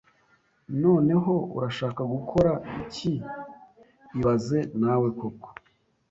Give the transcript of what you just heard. Noneho, urashaka gukora iki ibaze nawe koko